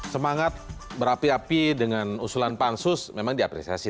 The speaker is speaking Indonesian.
semangat berapi api dengan usulan pansus memang diapresiasi